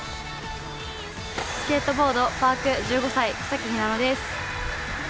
スケートボードパーク・草木ひなのです。